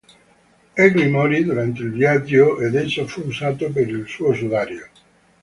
Egli morì durante il viaggio ed esso fu usato per il suo sudario.